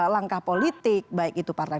langkah politik baik itu partai